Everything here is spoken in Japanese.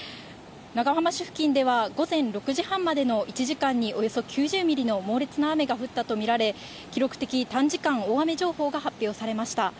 長浜市付近では午前６時半までの１時間に、およそ９０ミリの猛烈な雨が降ったと見られ、記録的短時間大雨情報が発表されました。